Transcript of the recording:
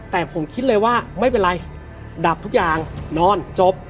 แต่ผมคิดเลยว่าไม่เป็นไรดับทุกอย่างนอนจบ